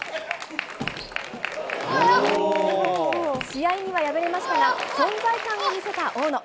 試合には敗れましたが、存在感を見せた大野。